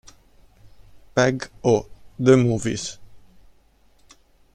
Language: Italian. Peg o' the Movies